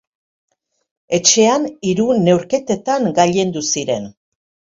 Etxean hiru neurketetan gailendu ziren.